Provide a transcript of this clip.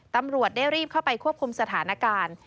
ตำรวจได้รีบเข้าไปควบคุมสถานการณ์